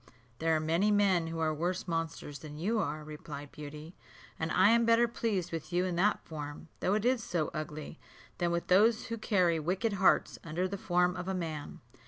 "There are many men who are worse monsters than you are," replied Beauty; "and I am better pleased with you in that form, though it is so ugly, than with those who carry wicked hearts under the form of a man."